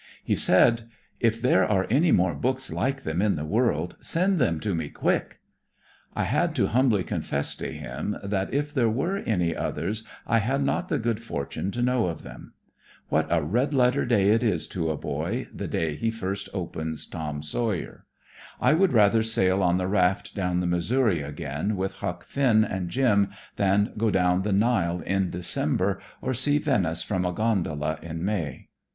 He said: "If there are any more books like them in the world, send them to me quick." I had to humbly confess to him that if there were any others I had not the good fortune to know of them. What a red letter day it is to a boy, the day he first opens "Tom Sawyer." I would rather sail on the raft down the Missouri again with "Huck" Finn and Jim than go down the Nile in December or see Venice from a gondola in May.